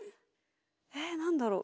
え何だろう？